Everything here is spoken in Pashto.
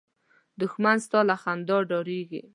دښمن ستا له خندا ډارېږي